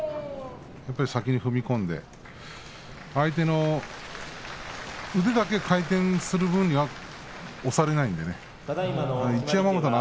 やっぱり先に踏み込んで相手の腕だけで回転する分には押されないので一山本の